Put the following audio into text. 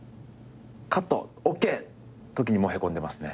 「カット！ＯＫ！」のときにもうへこんでますね。